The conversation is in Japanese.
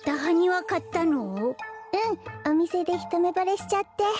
うんおみせでひとめぼれしちゃって。